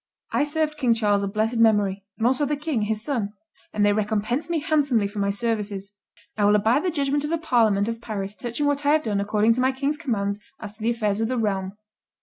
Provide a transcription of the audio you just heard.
I served King Charles of blessed memory, and also the king, his son; and they recompensed me handsomely for my services. I will abide the judgment of the parliament of Paris touching what I have done according to my king's commands as to the affairs of the realm."